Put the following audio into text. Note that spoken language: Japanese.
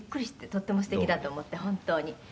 「とってもすてきだと思って本当に」